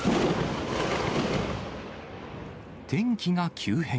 天気が急変。